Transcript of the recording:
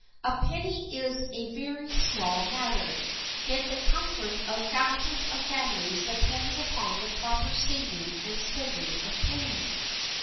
A penny is a very small matter, yet the comfort of thousands of families depends upon the proper saving and spending of pennies.